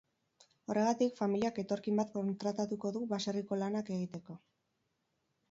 Horregatik, familiak etorkin bat kontratatuko du baserriko lanak egiteko.